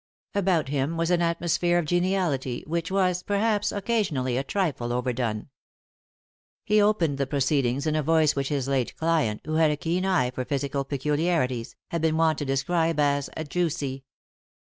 About him was an atmosphere of geniality, which was, perhaps, occasionally a trifle overdone. He opened the proceed ings in a voice which his late client, who had a keen eye for physical peculiarities, had been wont to describe as "juicy."